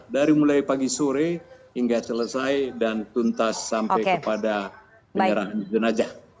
dari mulai pagi sore hingga selesai dan tuntas sampai kepada penyerahan jenazah